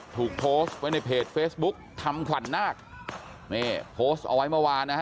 ถูกโพสต์ไว้ในเพจเฟซบุ๊กทำขวัญนาคนี่โพสต์เอาไว้เมื่อวานนะฮะ